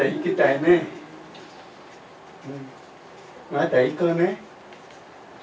また行こうね。